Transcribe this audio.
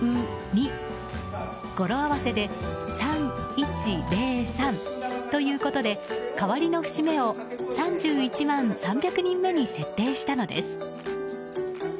語呂合わせで３１０３ということで代わりの節目を３１万３００人目に設定したのです。